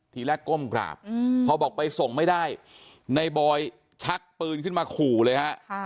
ทีแรกก้มกราบพอบอกไปส่งไม่ได้ในบอยชักปืนขึ้นมาขู่เลยฮะ